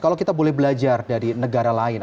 kalau kita boleh belajar dari negara lain